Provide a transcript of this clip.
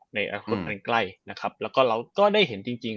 ในอนาคตอันใกล้นะครับแล้วก็เราก็ได้เห็นจริง